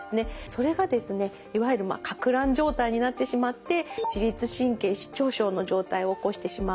それがですねいわゆるかく乱状態になってしまって自律神経失調症の状態を起こしてしまう。